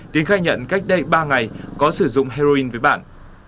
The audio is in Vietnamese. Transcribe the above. tín khai nhận cách đây ba ngày có sử dụng heroin với bạn